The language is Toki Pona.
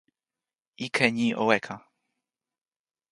ike ni o weka.